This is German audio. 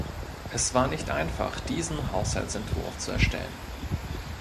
Es war nicht einfach, diesen Haushaltsentwurf zu erstellen.